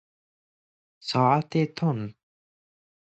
ساعت تند